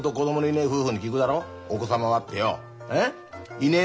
「いねえ」